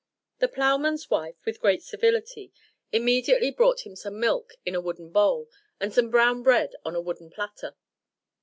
The ploughman's wife, with great civility, immediately brought him some milk in a wooden bowl, and some brown bread on a wooden platter.